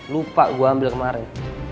lupa gue ambil kemarin